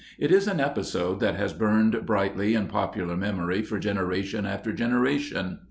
It is an episode that has burned brightly in popular memory for generation after generation.